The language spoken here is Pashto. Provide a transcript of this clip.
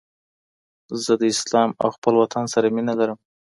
زه د اسلام او خپل وطن سره مینه لرم